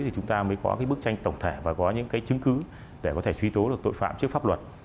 thì chúng ta mới có cái bức tranh tổng thể và có những cái chứng cứ để có thể truy tố được tội phạm trước pháp luật